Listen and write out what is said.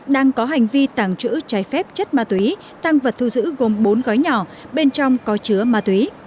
đang có hành vi tàng trữ trái phép chất ma túy tăng vật thu giữ gồm bốn gói nhỏ bên trong có chứa ma túy